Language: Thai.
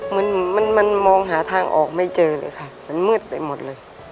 มันมันมองหาทางออกไม่เจอเลยค่ะมันมืดไปหมดเลย